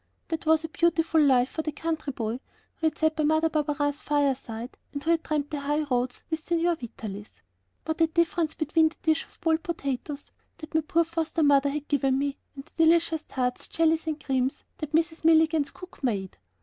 That was a beautiful life for the country boy, who had sat by Mother Barberin's fireside, and who had tramped the high roads with Signor Vitalis. What a difference between the dish of boiled potatoes that my poor foster mother had given me and the delicious tarts, jellies, and creams that Mrs. Milligan's cook made!